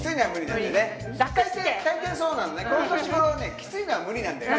きついのは無理なんだよね。